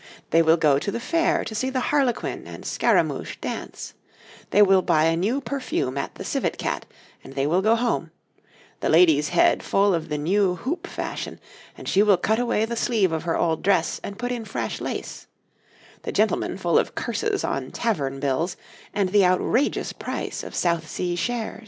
They will go to the Fair to see the Harlequin and Scaramouch dance, they will buy a new perfume at The Civet Cat, and they will go home the lady's head full of the new hoop fashion, and she will cut away the sleeve of her old dress and put in fresh lace; the gentleman full of curses on tavern bills and the outrageous price of South Sea shares.